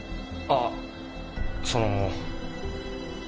ああその。